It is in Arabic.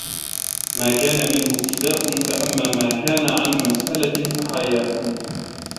مَا كَانَ مِنْهُ ابْتِدَاءٌ فَأَمَّا مَا كَانَ عَنْ مَسْأَلَةٍ فَحَيَاءٌ